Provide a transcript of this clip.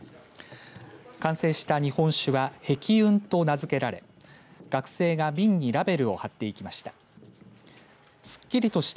完成した日本酒は碧雲と名づけられ学生が瓶にラベルを貼っていきました。